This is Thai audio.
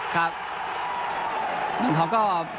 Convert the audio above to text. ครับ